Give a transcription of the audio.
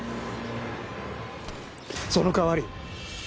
その代わり。